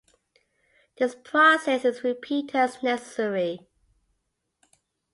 This process is repeated as necessary.